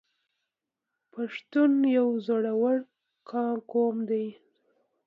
پښتون یو زړور قوم دی.